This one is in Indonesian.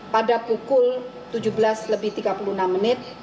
pada pukul tujuh belas lebih tiga puluh enam menit